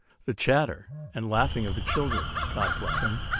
The chatter and laughing of the children, (God bless 'em!)